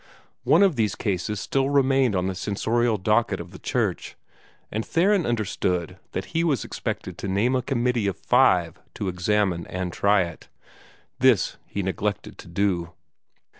One of these cases still remained on the censorial docket of the church; and Theron understood that he was expected to name a committee of five to examine and try it. This he neglected to do.